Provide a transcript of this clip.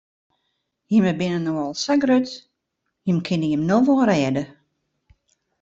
Jimme binne no al sa grut, jimme kinne jim no wol rêde.